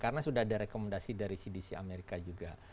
karena sudah ada rekomendasi dari cdc amerika juga